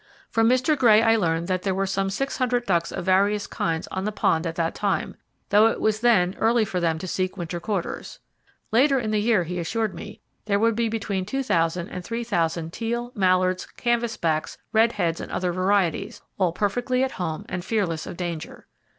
From Mr. Gray I learned that there were some 600 ducks of various kinds on the pond at that time, though it was then early for them to seek winter quarters. Later in the year, he assured me, there would be between 2,000 and 3,000 teal, mallards, canvas backs, redheads and other varieties, all perfectly at home and fearless of danger.